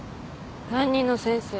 担任の先生。